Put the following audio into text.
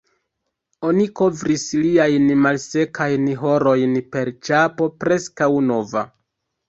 Oni kovris liajn malsekajn harojn per ĉapo preskaŭ nova.